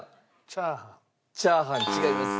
チャーハン違います。